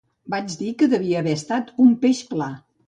Vaig dir que devia haver estat un peix pla.